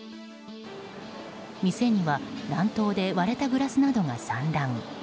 店には乱闘で割れたグラスなどが散乱。